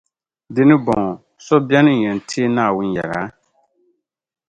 Di nibɔŋɔ, so beni n-yɛn teei Naawuni yɛla?